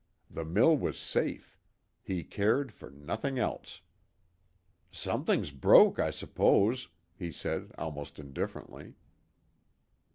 The mill was safe. He cared for nothing else. "Something broke, I s'pose," he said almost indifferently.